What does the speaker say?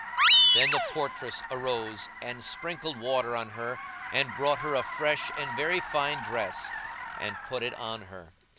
Then the portress arose and sprinkled water on her and brought her a fresh and very fine dress and put it on her.